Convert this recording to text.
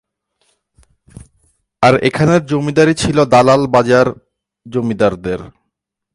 আর এখানের জমিদারী ছিল দালাল বাজার জমিদারদের।